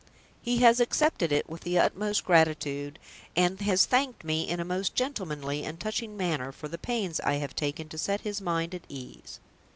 He has accepted it with the utmost gratitude; and has thanked me in a most gentlemanly and touching manner for the pains I have taken to set his mind at ease.